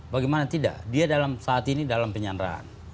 bagaimana tidak dia saat ini dalam penyanderaan